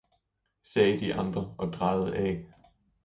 sagde de andre og drejede af.